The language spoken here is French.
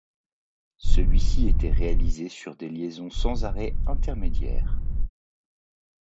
Celui-ci était réalisé sur des liaisons sans arrêt intermédiaire.